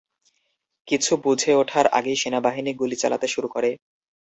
কিছু বুঝে ওঠার আগেই সেনাবাহিনী গুলি চালাতে শুরু করে।